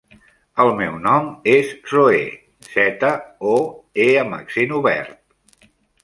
El meu nom és Zoè: zeta, o, e amb accent obert.